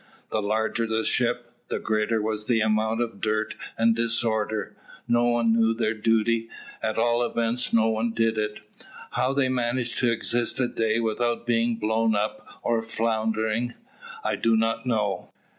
The larger the ship, the greater was the amount of dirt and disorder. No one knew their duty, at all events no one did it. How they managed to exist a day without being blown up or foundering, I do not know.